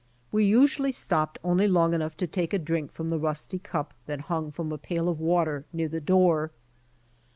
We usually stopped only long enough to take a drink from the rusty cup that hung from a pail of water near the door.